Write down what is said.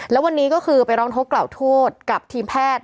แล้ววันนี้ก็คือไปร้องทุกข์กล่าวโทษกับทีมแพทย์